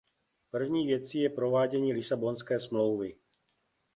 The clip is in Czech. První věcí je provádění Lisabonské smlouvy.